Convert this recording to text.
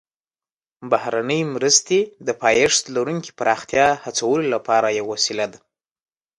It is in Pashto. بهرنۍ مرستې د پایښت لرونکي پراختیا هڅولو لپاره یوه وسیله ده